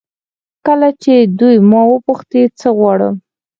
کله چې دوی ما وپوښتي څه غواړم.